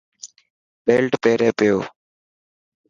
بيلٽ پيري پيو.